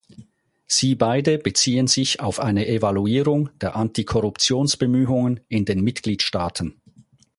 Sie beide beziehen sich auf eine Evaluierung der Antikorruptionsbemühungen in den Mitgliedstaaten.